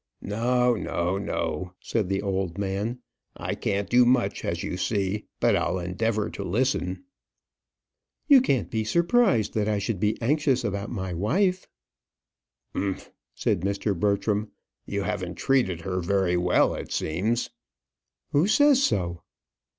"No no no," said the old man. "I can't do much, as you see; but I'll endeavour to listen." "You can't be surprised that I should be anxious about my wife." "Umph!" said Mr. Bertram. "You haven't treated her very well, it seems." "Who says so?"